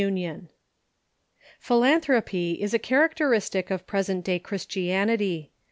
Y., 1880).] Philanthropy is a characteristic of present day Christian ity.